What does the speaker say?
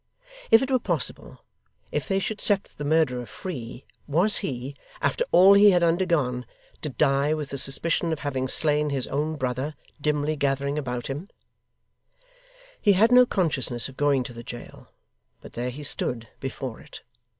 If it were possible if they should set the murderer free was he, after all he had undergone, to die with the suspicion of having slain his own brother, dimly gathering about him He had no consciousness of going to the jail; but there he stood, before it.